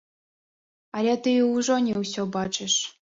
Але ты і ўжо не ўсё бачыш.